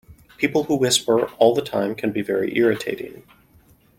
People who whisper all the time can be very irritating